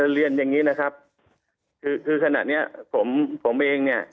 เรียนอย่างนี้นะครับคือขนาดนี้ผมเอง